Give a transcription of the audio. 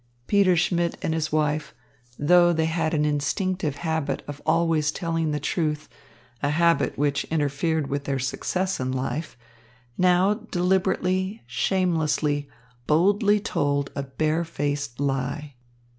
Peter Schmidt and his wife, though they had an instinctive habit of always telling the truth, a habit which interfered with their success in life, now deliberately, shamelessly, boldly told a bare faced lie.